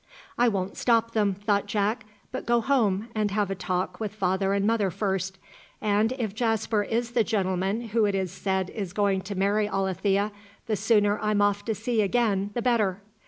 "I won't stop them," thought Jack, "but go home and have a talk with father and mother first; and if Jasper is the gentleman who it is said is going to marry Alethea, the sooner I'm off to sea again the better!